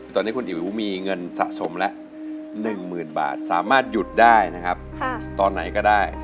ตอนนี้คุณอิ๋วมีเงินสะสมละ๑๐๐๐บาทสามารถหยุดได้นะครับตอนไหนก็ได้